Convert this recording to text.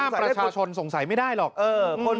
ประชาชนสงสัยไม่ได้หรอก